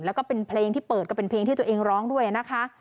แล้วก็เป็นเพลงที่เปิดก็เป็นเพลงที่ตัวเองร้องด้วยนะคะ